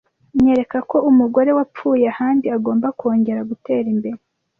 nyereka ko umugore wapfuye ahandi agomba kongera gutera imbere